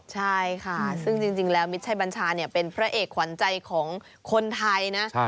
ใช่ค่ะซึ่งจริงแล้วมิตรชัยบัญชาเป็นพระเอกขวัญใจของคนไทยนะ